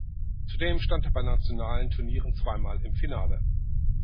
Zudem stand er bei nationalen Turnieren zweimal im Finale.